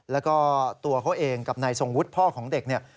แล้วก็ตัวเขาเองกับนายทรงวุฒิพ่อของเด็กเนี่ย